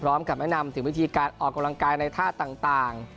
พร้อมกับแนะนำถึงวิธีการออกกำลังกายในท่าต่าง